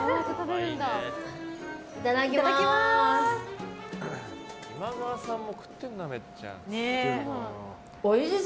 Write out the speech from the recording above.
いただきます！